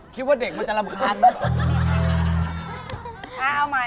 คิดว่าเด็กมันจะรำคาญไหม